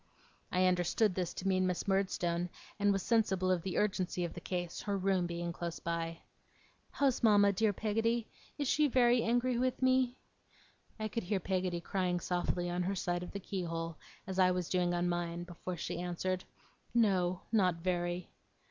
I understood this to mean Miss Murdstone, and was sensible of the urgency of the case; her room being close by. 'How's mama, dear Peggotty? Is she very angry with me?' I could hear Peggotty crying softly on her side of the keyhole, as I was doing on mine, before she answered. 'No. Not very.